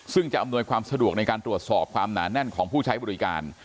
ซึ่งจะอำนวยความสะดวกในการตรวจสอบความหนาแน่นของผู้ใช้บริการ